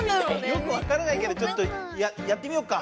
よく分からないけどちょっとやってみようか。